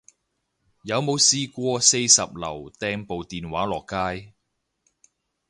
有冇試過四十樓掟部電話落街